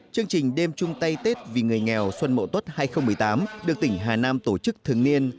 chương trình đêm chung tay tết vì người nghèo xuân mộ tốt hai nghìn một mươi tám được tỉnh hà nam tổ chức thường niên